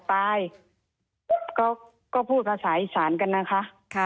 ตายก็พูดภาษาอีสานกันนะคะ